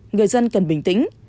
người dân cần bình tĩnh